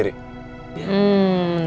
rumah ini mana